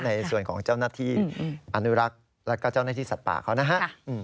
ในส่วนของเจ้าหน้าที่อนุรักษ์แล้วก็เจ้าหน้าที่สัตว์ป่าเขานะฮะ